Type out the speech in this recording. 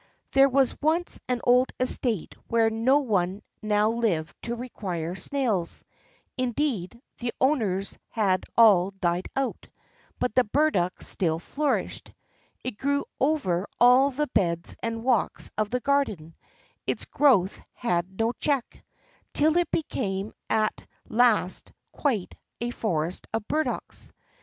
There was once an old estate where no one now lived to require snails; indeed, the owners had all died out, but the burdock still flourished; it grew over all the beds and walks of the garden—its growth had no check—till it became at last quite a forest of burdocks.